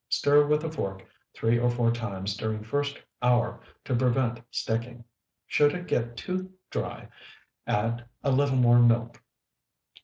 Stir with a fork three or four times during first hour to prevent sticking. Should it get too dry, add a little more milk.